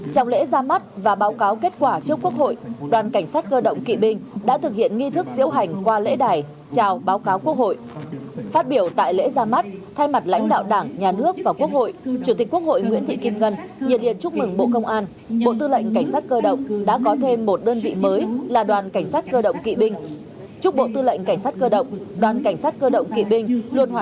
trong lễ ra mắt và báo cáo kết quả trước quốc hội đoàn cảnh sát cơ động kỵ binh đã thực hiện nghi thức diễu hành qua lễ đài chào báo cáo quốc hội phát biểu tại lễ ra mắt thay mặt lãnh đạo đảng nhà nước và quốc hội chủ tịch quốc hội nguyễn thị kim ngân nhiệt yên chúc mừng bộ công an bộ tư lệnh cảnh sát cơ động đã có thêm một đơn vị mới là đoàn cảnh sát cơ động kỵ binh